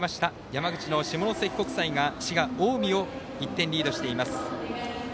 山口の下関国際が滋賀・近江を１点リードしています。